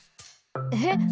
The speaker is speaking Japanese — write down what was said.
えっ？